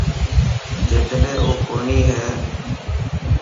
جيڪڏهن او ڪوني هي.